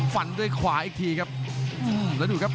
ฝันโดยขวาอีกทีครับ